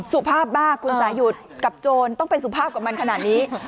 สุภาพบ้าคุณสายุทธ์กับโจรต้องเป็นสุภาพกับมันขนาดนี้